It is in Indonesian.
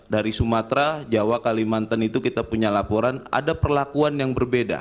dari sumatera jawa kalimantan itu kita punya laporan ada perlakuan yang berbeda